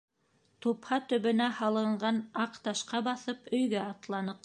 Тупһа төбөнә һалынған аҡ ташҡа баҫып өйгә атланыҡ.